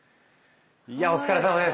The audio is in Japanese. いやぁお疲れさまです。